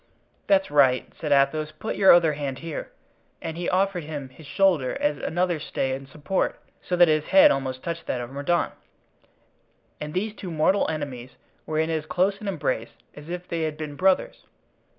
"That's right," said Athos; "put your other hand here." And he offered him his shoulder as another stay and support, so that his head almost touched that of Mordaunt; and these two mortal enemies were in as close an embrace as if they had been brothers.